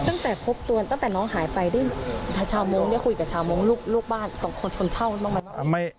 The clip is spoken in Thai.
ตั้งแต่พบตัวตั้งแต่น้องหายไปด้วยชาวมงค์ได้คุยกับชาวมงค์ลูกบ้านของคนชนเช่าบ้างไหม